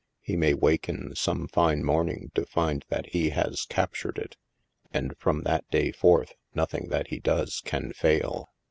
He may waken some fine morning to find that he has captured it, and from that day forth, nothing that he does can fail.